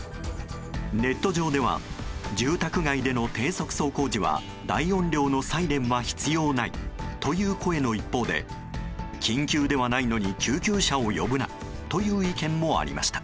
ネット上では住宅街での低速走行時は大音量のサイレンは必要ないという声の一方で緊急ではないのに救急車を呼ぶなという意見もありました。